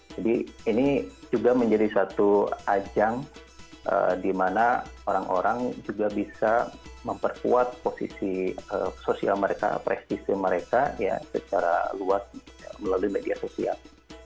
jadi ini juga menjadi satu ajang di mana orang orang juga bisa memperkuat posisi sosial mereka prestise mereka secara luas melalui media sosial